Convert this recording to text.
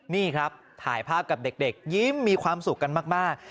นี่ครับถ่ายภาพกับเด็กยิ้มมีความสุขกันมาก